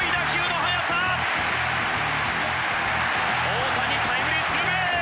大谷タイムリーツーベース！